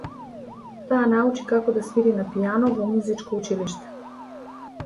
Таа научи како да свири на пијано во музичко училиште.